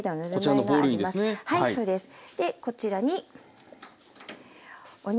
はいそうです。